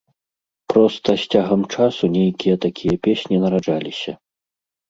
Проста, з цягам часу нейкія такія песні нараджаліся.